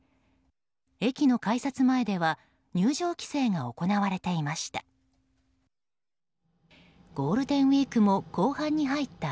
駅の改札前では入場規制が行われていました。